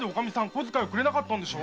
小遣いくれなかったんでしょ？